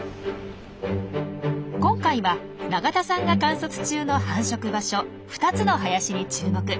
今回は永田さんが観察中の繁殖場所２つの林に注目。